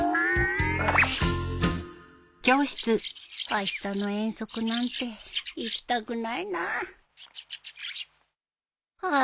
あしたの遠足なんて行きたくないなハァ。